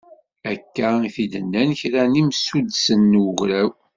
Akka i t-id-nnan kra n yimsuddsen n ugraw.